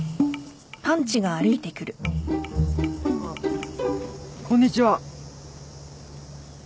あっこんにちは。